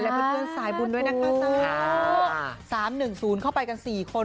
เพื่อนสายบุญด้วยนะคะสาว๓๑๐เข้าไปกัน๔คน